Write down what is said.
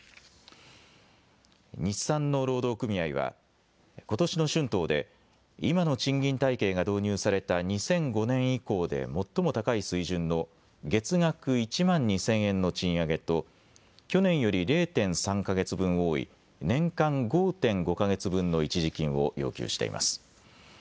日産の労働組合はことしの春闘で今の賃金体系が導入された２００５年以降で最も高い水準の月額１万２０００円の賃上げと去年より０．３か月分多い年間５．５か月分の一時金を要求しています。